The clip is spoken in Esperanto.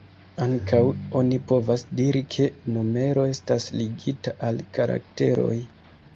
Ankaŭ oni povas diri ke numero estas ligita al karakteroj.